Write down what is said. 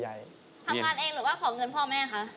ทำงานเองหรือว่าขอเงินพ่อแม่คะ